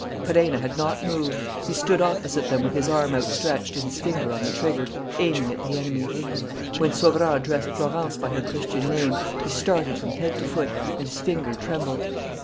Perenna had not moved. He stood opposite them with his arm outstretched and his finger on the trigger, aiming at the enemy. When Sauverand addressed Florence by her Christian name, he started from head to foot and his finger trembled.